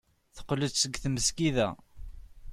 Teqqel-d seg tmesgida.